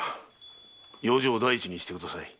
養生第一にしてください。